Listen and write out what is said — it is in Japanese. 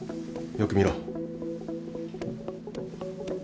よく見ろ。